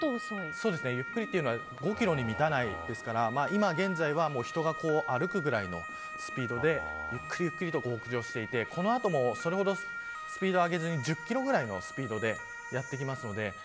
ゆっくりというのが５キロに満たないですから今現在は人が歩くくらいのスピードでゆっくりゆっくりと北上していて、この後もそれほどスピードを上げずに１０キロくらいのスピードでやってきます。